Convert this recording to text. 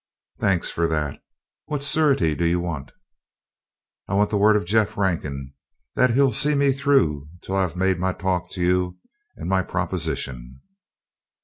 "Thanks for that. What surety do you want?" "I want the word of Jeff Rankin that he'll see me through till I've made my talk to you and my proposition."